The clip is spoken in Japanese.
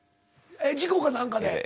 事故か何かで？